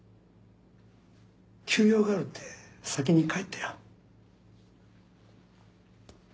急用があるって先に帰ったよ。